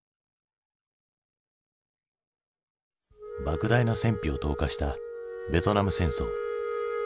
ばく大な戦費を投下したベトナム戦争。